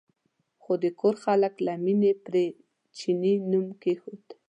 خو د کور خلکو له مینې پرې چیني نوم کېښود.